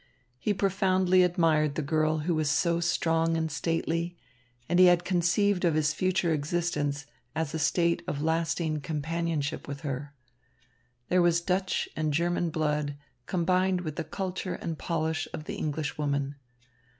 He profoundly admired the girl who was so strong and stately; and he had conceived of his future existence as a state of lasting companionship with her. There was Dutch and German blood combined with the culture and polish of the Englishwoman.